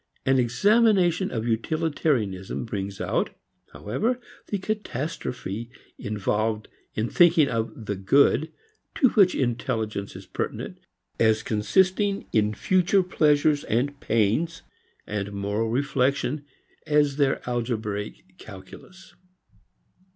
An examination of utilitarianism brings out however the catastrophe involved in thinking of the good to which intelligence is pertinent as consisting in future pleasures and pains, and moral reflection as their algebraic calculus.